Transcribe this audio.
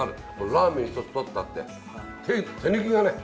ラーメン一つとったって手抜きがない。